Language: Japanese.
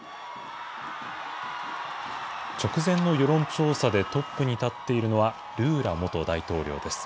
直前の世論調査でトップに立っているのは、ルーラ元大統領です。